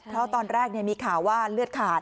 เพราะตอนแรกมีข่าวว่าเลือดขาด